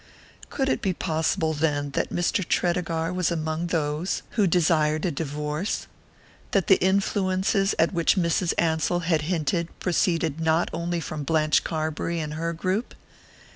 Could it be possible, then, that Mr. Tredegar was among those who desired a divorce? That the influences at which Mrs. Ansell had hinted proceeded not only from Blanche Carbury and her group?